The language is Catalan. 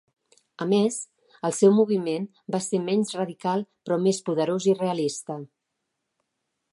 A més, el seu moviment va ser menys radical però més poderós i realista.